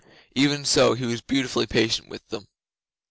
Even so, he was beautifully patient with them.